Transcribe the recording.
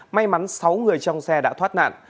may mắn sáu người trong xe đã thoát nạn